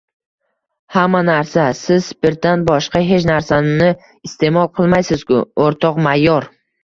— Hamma narsa! Siz spirtdan boshqa hech narsani iste’mol qilmaysiz-ku, o‘rtoq mayor!